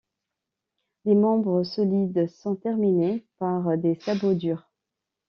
Les membres, solides, sont terminés par des sabots durs.